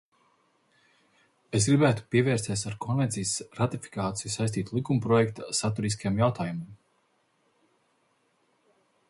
Es gribētu pievērsties ar konvencijas ratifikāciju saistītā likumprojekta saturiskajiem jautājumiem.